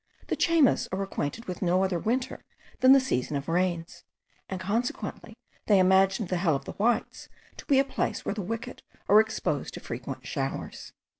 The Chaymas are acquainted with no other winter than the season of rains; and consequently they imagined the Hell of the whites to be a place where the wicked are exposed to frequent showers.